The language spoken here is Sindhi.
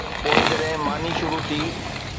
پوءِ جڏهن ماني شروع ٿي.